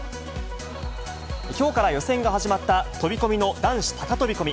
きょうから予選が始まった飛び込みの男子高飛び込み。